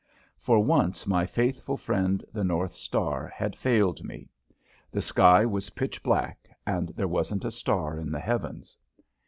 For once my faithful friend, the North Star, had failed me. The sky was pitch black and there wasn't a star in the heavens.